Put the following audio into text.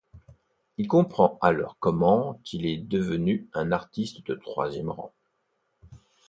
Il comprend alors comment il est devenu un artiste de troisième rang.